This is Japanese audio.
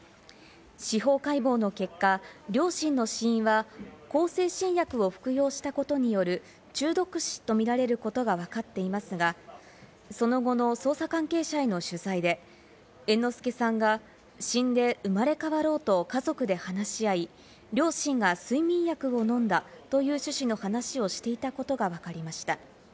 司法解剖の結果、両親の死因は向精神薬を服用したことによる中毒死とみられることがわかっていますが、その後の捜査関係者への取材で猿之助さんが、死んで生まれ変わろうと家族で話し合い、両親が睡眠薬を飲んだという趣旨の話をしていたことがわかりました。